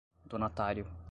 donatário